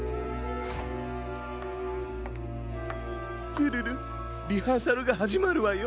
ツルルリハーサルがはじまるわよ。